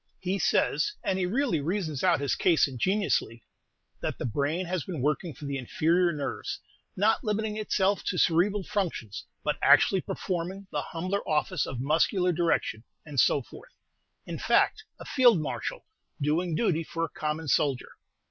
He says and he really reasons out his case ingeniously that the brain has been working for the inferior nerves, not limiting itself to cerebral functions, but actually performing the humbler office of muscular direction, and so forth; in fact, a field marshal doing duty for a common soldier!